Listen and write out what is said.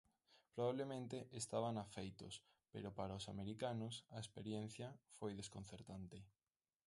Probablemente estaban afeitos, pero para os americanos a experiencia foi desconcertante.